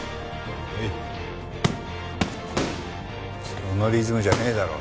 そのリズムじゃねえだろ。